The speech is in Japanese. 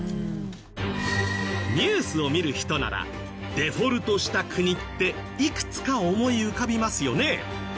ニュースを見る人ならデフォルトした国っていくつか思い浮かびますよね？